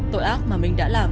tội ác mà mình đã làm